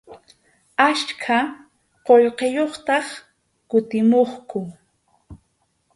Achka qullqiyuqtaq kutimuqku.